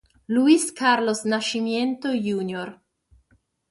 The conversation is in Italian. Luiz Carlos Nascimento Júnior